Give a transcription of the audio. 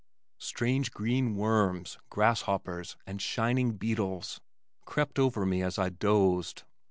Strange green worms, grasshoppers and shining beetles crept over me as I dozed.